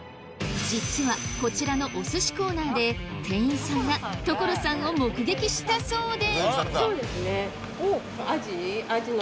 実はこちらのお寿司コーナーで店員さんが所さんを目撃したそうでアジ。